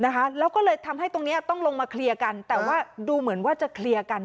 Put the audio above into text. นะคะแล้วก็เลยทำให้ตรงเนี้ยต้องลงมาเคลียร์กันแต่ว่าดูเหมือนว่าจะเคลียร์กัน